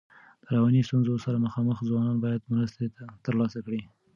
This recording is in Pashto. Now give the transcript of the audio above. د رواني ستونزو سره مخامخ ځوانان باید مرسته ترلاسه کړي.